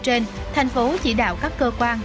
trên thành phố chỉ đạo các cơ quan